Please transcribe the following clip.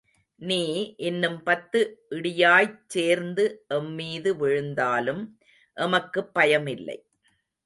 நீ இன்னும் பத்து இடியாய்ச் சேர்ந்து எம் மீது விழுந்தாலும் எமக்குப் பயமில்லை.